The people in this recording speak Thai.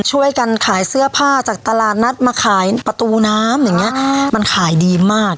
ช่วยกันขายเสื้อผ้าจากตลาดนัดมาขายประตูน้ำอย่างเงี้ยมันขายดีมาก